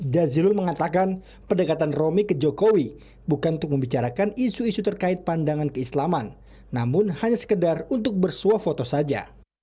jazilul mengatakan pendekatan romi ke jokowi bukan untuk membicarakan isu isu terkait pandangan keislaman namun hanya sekedar untuk bersuah foto saja